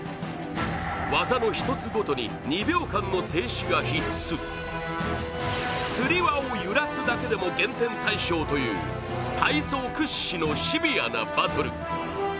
技の一つごとに２秒間の静止が必須つり輪を揺らすだけでも減点対象という体操屈指のシビアなバトル。